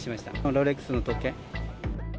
ロレックスの時計。